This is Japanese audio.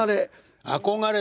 憧れ。